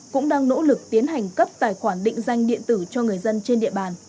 cũng đang nỗ lực tiến hành cấp tài khoản định danh điện tử cho người dân trên địa bàn